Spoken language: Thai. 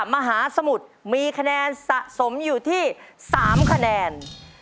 มหาสมุทรมีคะแนนสะสมอยู่ที่๓คะแนน